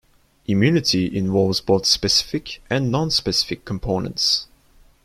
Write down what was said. Immunity involves both specific and nonspecific components.